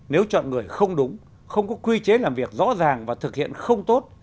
nếu chọn người không đúng không có quy chế làm việc rõ ràng và thực hiện không tốt